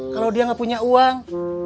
kalau dia nggak punya uang